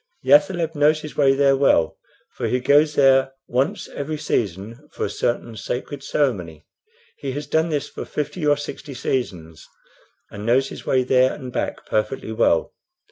The athaleb knows his way there well, for he goes there once every season for a certain sacred ceremony. He has done this for fifty or sixty seasons, and knows his way there and back perfectly well.